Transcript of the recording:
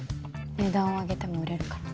値段を上げても売れるから。